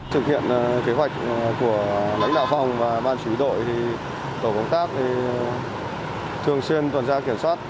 trực hiện kế hoạch của lãnh đạo phòng và ban chú ý đội thì tổ công tác thường xuyên tuần ra kiểm soát